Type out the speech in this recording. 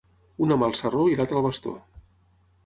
Una mà al sarró i l'altra al bastó.